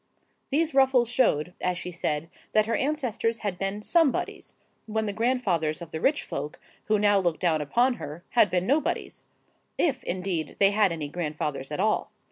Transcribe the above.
These ruffles showed, as she said, that her ancestors had been Somebodies, when the grandfathers of the rich folk, who now looked down upon her, had been Nobodies,—if, indeed, they had any grandfathers at all.